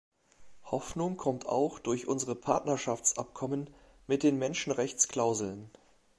Hoffnung kommt auch durch unsere Partnerschaftsabkommen mit den Menschenrechtsklauseln.